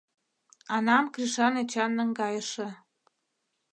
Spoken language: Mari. Анам Кришан Эчан наҥгайыше.